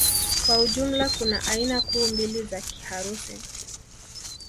Kwa ujumla kuna aina kuu mbili za Kiharusi